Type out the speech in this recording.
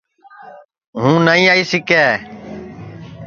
ہوں نائی آئی سِکے